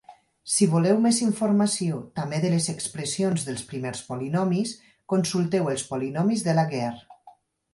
Si voleu més informació, també de les expressions dels primers polinomis, consulteu els polinomis de Laguerre.